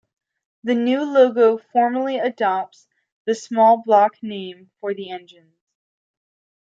The new logo formally adopts the Small Block name for the engines.